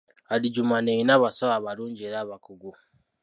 Adjumani eyina abasawo abalungi era abakugu.